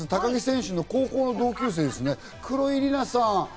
高木選手の高校の同級生・黒井梨奈さん。